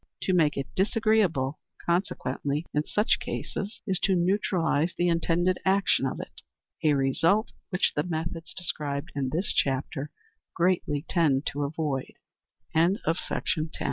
To make it disagreeable, consequently, in such cases, is to neutralize the intended action of it a result which the methods described in this chapter greatly tend to avoid. CHAPTER IX.